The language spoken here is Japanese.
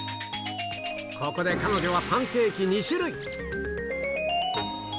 ここで彼女はパンケーキ２種類。